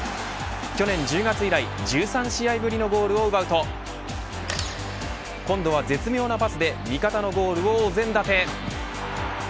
去年１０月以来１３試合ぶりのゴールを奪うと今度は絶妙なパスで味方のゴールをお膳立て。